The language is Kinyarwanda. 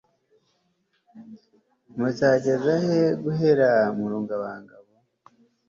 muzageza he guhera mu rungabangabo